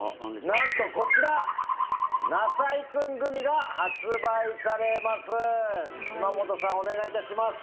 なんと、こちらなさいくんグミが発売されます。